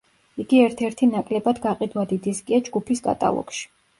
იგი ერთ-ერთი ნაკლებად გაყიდვადი დისკია ჯგუფის კატალოგში.